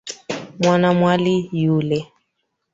Mwanamwali yule.